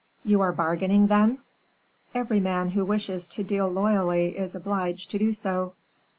"You are bargaining, then?" "Every man who wishes to deal loyally is obliged to do so."